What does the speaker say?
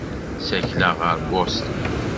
Ssakleɣ ɣer Bustun.